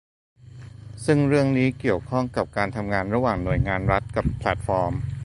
ซึ่งเรื่องนี้เกี่ยวข้องกับการทำงานระหว่างหน่วยงานรัฐกับแพลตฟอร์ม